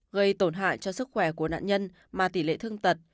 gây tổn hại cho sức khỏe của nạn nhân mà tỷ lệ thương tật